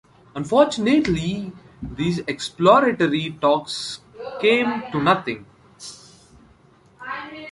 Unfortunately, these exploratory talks came to nothing.